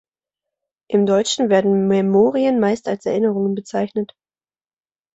Im Deutschen werden Memoiren meist als "Erinnerungen" bezeichnet.